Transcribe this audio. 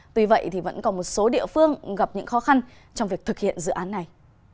tuy vậy vẫn còn một số địa phương gặp những khó khăn trong việc thực hiện dự án này